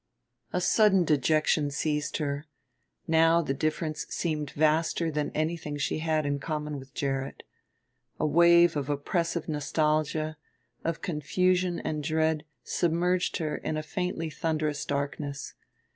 A sudden dejection seized her now the difference seemed vaster than anything she had in common with Gerrit. A wave of oppressive nostalgia, of confusion and dread, submerged her in a faintly thunderous darkness.